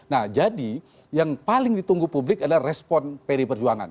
nah jadi yang paling ditunggu publik adalah respon pd perjuangan